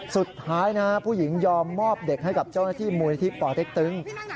สุดท้ายนะฮะผู้หญิงยอมมอบเด็กให้กับเจ้าหน้าที่มูลนิธิป่อเต็กตึง